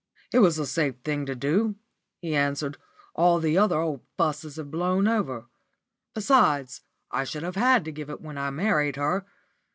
"It was a safe thing to do," he answered. "All the old fusses have blown over. Besides, I should have had to give it when I married her.